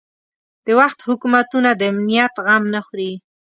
د وخت حکومتونه د امنیت غم نه خوري.